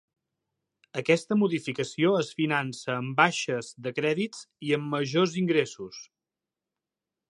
Aquesta modificació es finança amb baixes de crèdits i amb majors ingressos.